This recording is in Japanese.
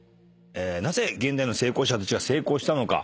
なぜ現代の成功者たちは成功したのか。